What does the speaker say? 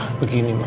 jangan begini ma